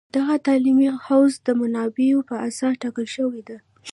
دغه تعلیمي حوزه د منابعو په اساس ټاکل شوې ده